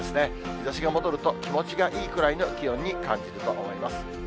日ざしが戻ると、気持ちがいいくらいの気温に感じると思います。